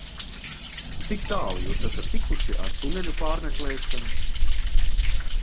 Cik tālu Jūs esat tikuši ar tuneļu pārmeklēšanu?